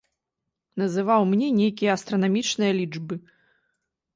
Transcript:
Называў мне нейкія астранамічныя лічбы.